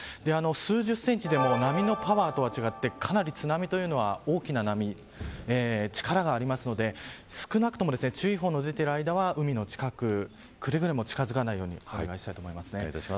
数十センチでも波のパワーと違って津波というのは、かなり大きな波力がありますので少なくとも注意報の出ている間は海の近く、くれぐれも近づかないようにお願いしたいと思います。